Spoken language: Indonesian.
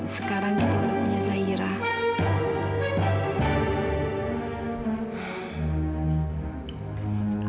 sekarang kita punya zairah